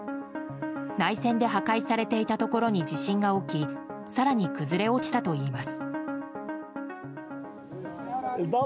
内戦で破壊されていたところに地震が起き更に崩れ落ちたといいます。